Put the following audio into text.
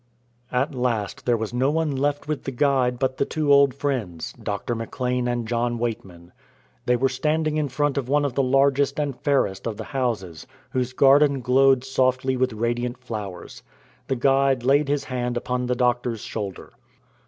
At last there was no one left with the Guide but the two old friends, Doctor McLean and John Weightman. They were standing in front of one of the largest and fairest of the houses, whose garden glowed softly with radiant flowers. The Guide laid his hand upon the doctor's shoulder.